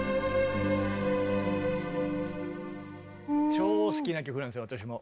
超好きな曲なんですよ私も。